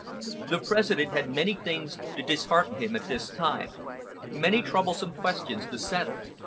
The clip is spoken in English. The President had many things to dishearten him at this time, many troublesome questions to settle.